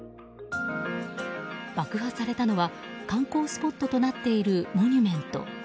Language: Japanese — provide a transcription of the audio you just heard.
爆破されたのは観光スポットとなっているモニュメント。